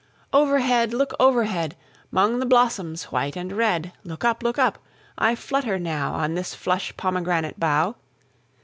Overhead! look overhead! 'Mong the blossoms white and red Look up, look up. I flutter now On this flush pomegranate bough.